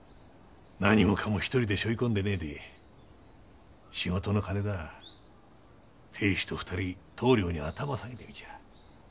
何もかも一人で背負い込んでねえで仕事の金なら亭主と２人棟梁に頭を下げてみちゃ。